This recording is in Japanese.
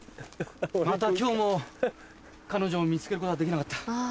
また今日も彼女を見つけることはできなかった。